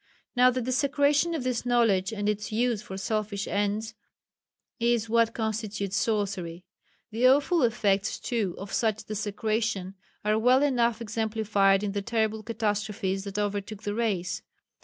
Now the desecration of this knowledge and its use for selfish ends is what constitutes sorcery. The awful effects, too, of such desecration are well enough exemplified in the terrible catastrophes that overtook the race.